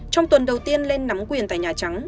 trong tuần đầu tiên lên nắm quyền tại nhà trắng